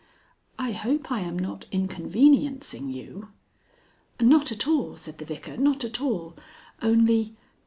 "I hope I am not inconveniencing you?" "Not at all," said the Vicar; "not at all. Only